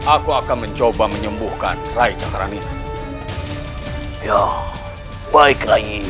aku akan mencoba menyembuhkan raih cakranik